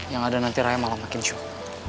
yang ada nanti raya malah makin show